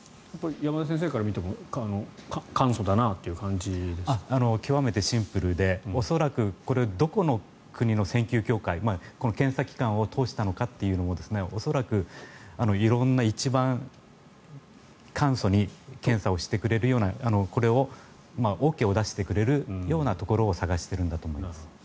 山田先生から見ても極めてシンプルでどこの国の潜水協会どこの国を通したのかも恐らく色んな一番簡素に検査をしてくれるようなこれをＯＫを出してくれるようなところを探しているんだと思います。